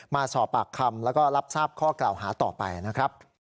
มาสอบปากคำแล้วก็รับทราบข้อกล่าวหาต่อไปนะครับ